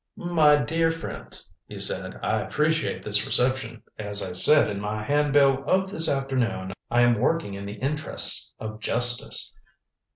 "My dear friends," he said, "I appreciate this reception. As I said in my handbill of this afternoon, I am working in the interests of justice.